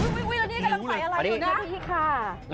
อุ้ยแล้วนี่กำลังไหวอะไรอยู่นะ